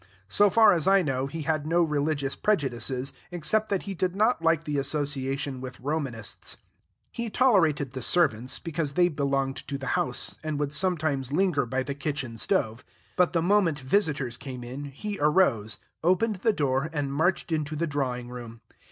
So far as I know, he had no religious prejudices, except that he did not like the association with Romanists. He tolerated the servants, because they belonged to the house, and would sometimes linger by the kitchen stove; but the moment visitors came in he arose, opened the door, and marched into the drawing room.